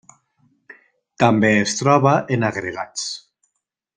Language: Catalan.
També es troba en agregats.